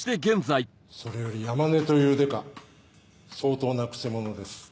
それより山根という刑事相当なくせ者です。